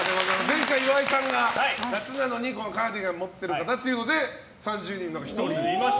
前回、岩井さんが夏なのにカーディガンを持ってる方というので３０人の中に１人。